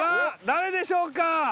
誰でしょうか？